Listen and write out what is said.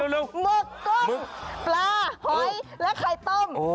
หมึกกุ้งปลาหอยและไข่ต้ม